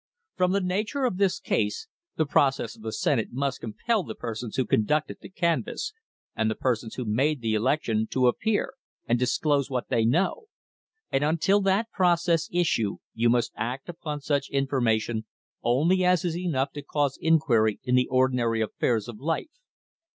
From the nature of the case, the process of the Senate must compel the persons who conducted the canvass and the persons who made the election to appear and disclose what they know; and until that process issue, you must act upon such information only as is enough to cause inquiry in the ordinary affairs of life.